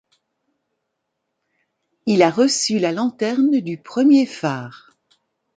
Il a reçu la lanterne du premier phare.